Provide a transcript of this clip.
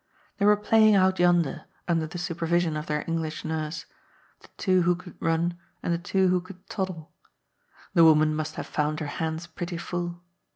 They were playing out yonder, under the supervision of their English nurse, the two who could run and the two who could toddle. The woman must have found her hands pretty full.